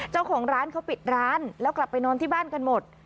เจ้าของร้านเขาปิดร้านแล้วกลับไปนอนที่บ้านกันหมด